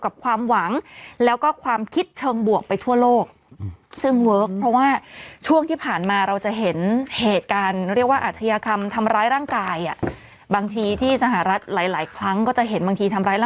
ก็คือวันที่แกต้องลงพื้นที่แกก็ออกลงพื้นที่ไป